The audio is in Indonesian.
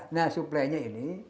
nah supplynya ini